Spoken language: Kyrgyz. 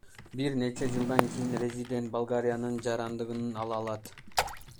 Бир нече жылдан кийин резидент Болгариянын жарандыгын ала алат.